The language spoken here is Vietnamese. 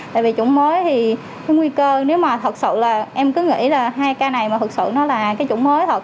tại vì chủng mới thì cái nguy cơ nếu mà thật sự là em cứ nghĩ là hai ca này mà thực sự nó là cái chủng mới thôi